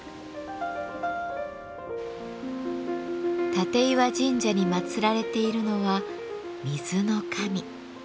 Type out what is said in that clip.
立石神社に祀られているのは水の神。